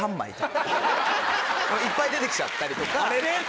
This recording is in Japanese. いっぱい出てきちゃったりとか。